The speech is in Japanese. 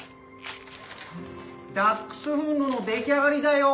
ダックスフンドの出来上がりだよ。